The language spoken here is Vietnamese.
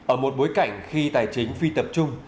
ở một bối cảnh khi tài chính phi tập trung